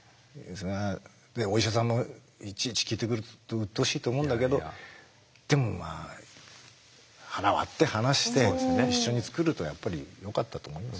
でお医者さんもいちいち聞いてくるとうっとうしいと思うんだけどでもまあ腹割って話して一緒に作るとやっぱりよかったと思います。